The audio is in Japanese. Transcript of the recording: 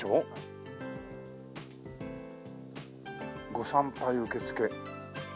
「御参拝受付」